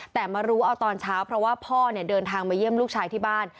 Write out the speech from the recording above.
แต่มารู้เอาตอนเช้าเพราะว่าพ่อเนี่ยเดินทางมาเยี่ยมลูกชายที่บ้าน